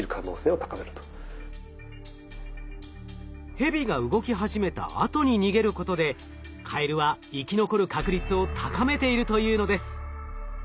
ヘビが動き始めたあとに逃げることでカエルは生き残る確率を高めているというのです。